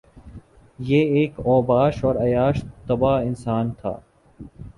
یہ ایک اوباش اور عیاش طبع انسان تھا